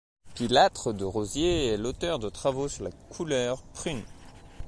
Pilâtre de Rozier est l'auteur de travaux sur la couleur prune.